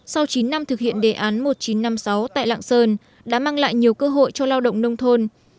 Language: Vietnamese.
sau chín năm thực hiện đề án một nghìn chín trăm năm mươi sáu tại lạng sơn đã mang lại nhiều cơ hội cho lao động nông thôn